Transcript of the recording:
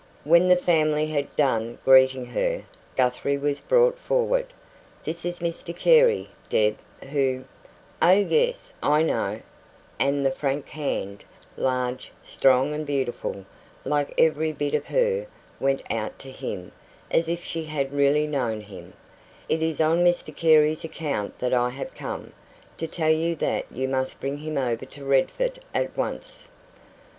When the family had done greeting her, Guthrie was brought forward. "This is Mr Carey, Deb, who " "Oh, yes, I know" and the frank hand, large, strong and beautiful, like every bit of her, went out to him as if she had really known him "it is on Mr Carey's account that I have come, to tell you that you must bring him over to Redford at once."